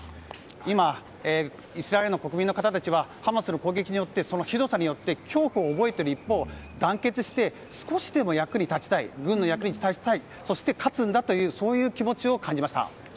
今、イスラエルの国民の方たちはハマスの攻撃によってそのひどさによって恐怖を覚えている一方団結して少しでも軍の役に立ちたいそして勝つんだという気持ちを感じました。